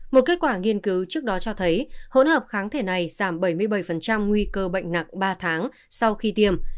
một kết quả nghiên cứu trước đó cho thấy hỗn hợp kháng thể này giảm bảy mươi bảy nguy cơ bệnh nặng ba tháng sau khi tiêm